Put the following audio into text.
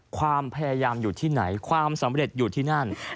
ความพยายามอยู่ที่ไหนความสำเร็จอยู่ที่นั่น